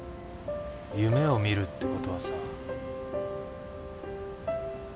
夢を見るってことはさ